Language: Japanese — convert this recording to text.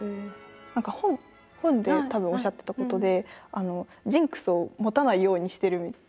何か本でたぶんおっしゃってたことで「ジンクスを持たないようにしてる」みたいな。